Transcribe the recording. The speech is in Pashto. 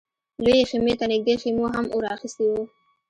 لويې خيمې ته نږدې خيمو هم اور اخيستی و.